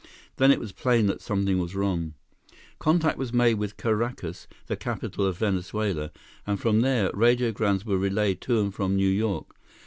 Then it was plain that something was wrong. Contact was made with Caracas, the capital of Venezuela, and from there, radiograms were relayed to and from New York.